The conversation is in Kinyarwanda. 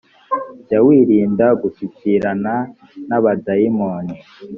jya wirinda gushyikirana n abadayimoni